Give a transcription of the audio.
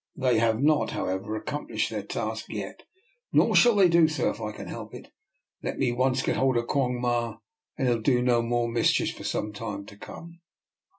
They have not, however, accomplished their task yet ; nor shall they do so if I can help it. Let me once get hold of Quong Ma, and he'll do no more mischief for some time to come."